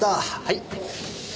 はい。